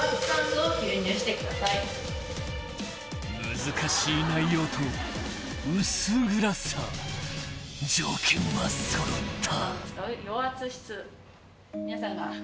［難しい内容と薄暗さ条件は揃った］